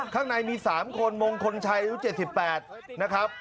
ข้างในมี๓คนมงคลชัยอายุ๗๘นะครับ